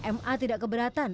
ma tidak keberatan